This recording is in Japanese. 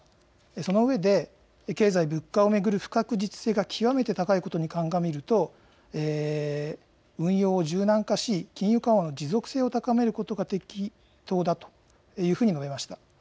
その上で、経済・物価を巡る不確実性が極めて高いことに鑑みると、運用を柔軟化し、金融緩和の持続性を高めることが適当だというふうに述べました。